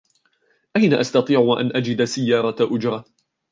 أين أستطيع أن أجد سيارة أجرة ؟